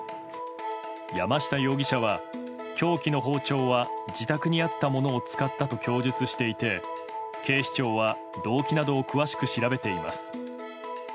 山下容疑者は凶器の包丁は自宅にあったものを使ったと供述していて、警視庁は動機などを詳しく調べています。